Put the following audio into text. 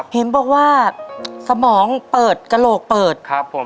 เห็นบอกว่าสมองเปิดกระโหลกเปิด